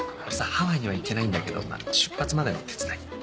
ハワイには行けないんだけど出発までの手伝い。